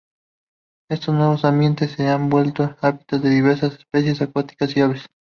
Estos nuevos ambientes se han vuelto hábitat de diversas especies acuáticas y aves.